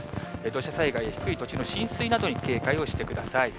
土砂災害や低い土地の浸水などに警戒をしてください。